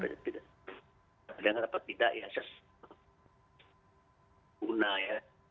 dengan kenapa tidak ya sesuna ya